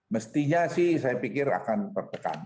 mestinya sih saya pikir akan tertekan